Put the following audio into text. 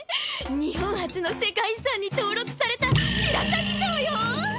日本初の世界遺産に登録された白鷺城よ！